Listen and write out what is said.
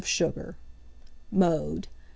of sugar. Mode.